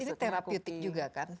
ini teraputik juga kan